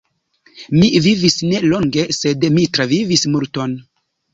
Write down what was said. Mi vivis ne longe, sed mi travivis multon.